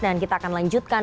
dan kita akan lanjutkan